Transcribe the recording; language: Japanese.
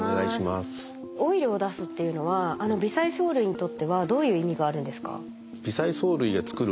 オイルを出すっていうのは微細藻類にとってはどういう意味があるんですか？